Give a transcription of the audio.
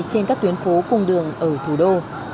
trên các tuyến phố cung đường ở thủ đô